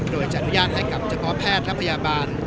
โดยจะอนุญาตให้กับเฉพาะแพทย์และพยาบาล